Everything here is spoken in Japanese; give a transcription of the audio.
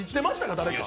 誰か。